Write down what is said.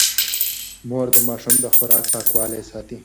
مور د ماشوم د خوراک پاکوالی ساتي.